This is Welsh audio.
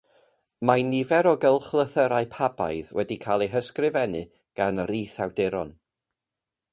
Mae nifer o gylchlythyrau pabaidd wedi cael eu hysgrifennu gan rith-awduron.